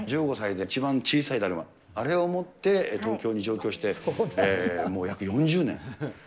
１５歳で一番小さいだるま、あれを持って東京に上京して、もう約４０年。